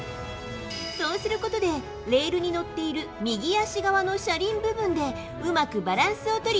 そうすることでレールに乗っている右足側の車輪部分でうまくバランスをとり